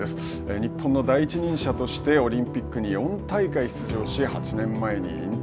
日本の第一人者としてオリンピックに４大会出場し８年前に引退。